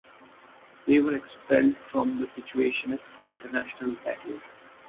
They were expelled from the Situationist International that year.